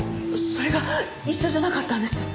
それが一緒じゃなかったんです。